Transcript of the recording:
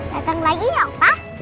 datang lagi ya opah